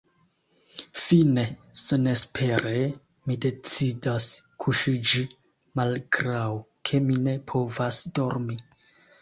Fine, senespere, mi decidas kuŝiĝi, malgraŭ ke mi ne povas dormi.